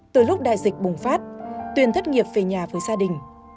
từ lúc đại dịch bùng phát tuyên thất nghiệp về nhà với gia đình